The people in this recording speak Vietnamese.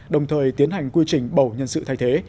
đồng thời tiến hành quy trình bầu nhân sự thay thế